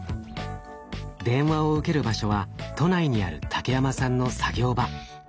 電話を受ける場所は都内にある竹山さんの作業場。